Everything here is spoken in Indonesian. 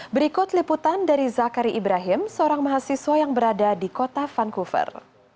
berikut liputan dari zakari ibrahim seorang mahasiswa yang berada di kota vancouver